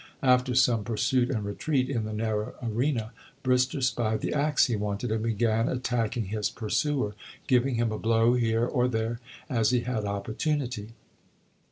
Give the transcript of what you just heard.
After some pursuit and retreat in the narrow arena, Brister spied the axe he wanted, and began attacking his pursuer, giving him a blow here or there as he had opportunity.